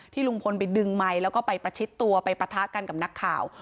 ลุงพลไปดึงไมค์แล้วก็ไปประชิดตัวไปปะทะกันกับนักข่าว